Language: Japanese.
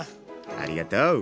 ありがとう！